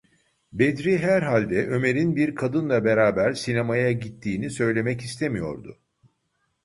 Bedri herhalde Ömer’in bir kadınla beraber sinemaya gittiğini söylemek istemiyordu.